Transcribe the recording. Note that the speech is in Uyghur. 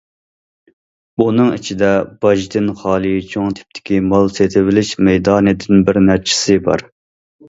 بۇنىڭ ئىچىدە باجدىن خالىي چوڭ تىپتىكى مال سېتىۋېلىش مەيدانىدىن بىر نەچچىسى بار.